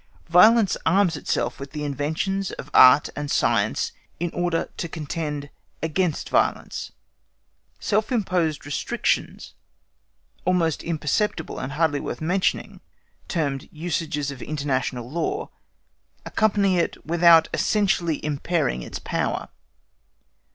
_ Violence arms itself with the inventions of Art and Science in order to contend against violence. Self imposed restrictions, almost imperceptible and hardly worth mentioning, termed usages of International Law, accompany it without essentially impairing its power.